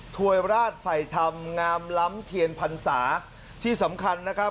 ถวยราชไฟธรรมงามล้ำเทียนพรรษาที่สำคัญนะครับ